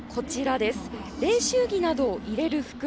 練習着などを入れる袋。